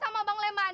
sampai sama bang leman